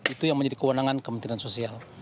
itu yang menjadi kewenangan kementerian sosial